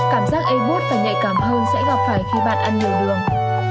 cảm giác ấy bút và nhạy cảm hơn sẽ gặp phải khi bạn ăn nhiều đường